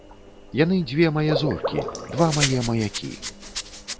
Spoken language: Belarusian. Яны дзве мае зоркі, два мае маякі.